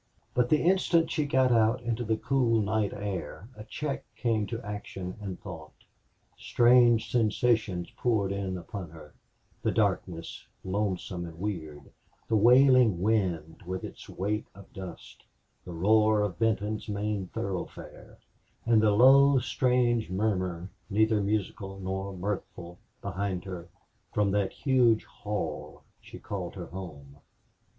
But the instant she got out into the cool night air a check came to action and thought. Strange sensations poured in upon her the darkness, lonesome and weird; the wailing wind with its weight of dust; the roar of Benton's main thoroughfare; and the low, strange murmur, neither musical nor mirthful, behind her, from that huge hall she called her home.